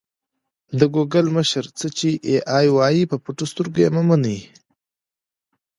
د ګوګل مشر: څه چې اې ای وايي په پټو سترګو یې مه منئ.